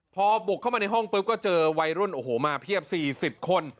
พอบุกเข้ามาในห้องปุ๊บก็เจอวัยรุ่นโอ้โหมาเพียบ๔๐คน